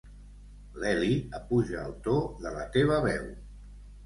L'heli apuja el to de la teva veu.